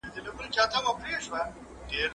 زه اوس انځور ګورم؟!